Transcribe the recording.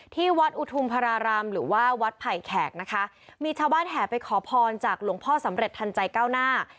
ที่วัดอุทุมพรารามหรือว่าวัดไผ่แขกนะคะมีชาวบ้านแห่ไปขอพรจากหลวงพ่อสำเร็จทันใจก้าวหน้า